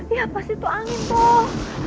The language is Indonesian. ya pasti tuh angin tuh